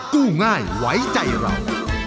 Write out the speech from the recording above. กู้ง่ายไว้ใจเรา